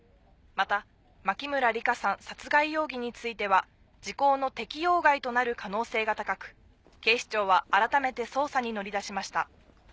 また牧村里香さん殺害容疑については時効の適用外となる可能性が高く警視庁はあらためて捜査に乗り出しました。